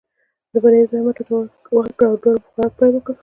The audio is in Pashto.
د پنیر دوهمه ټوټه ورکړل او دواړو په خوراک پیل وکړ.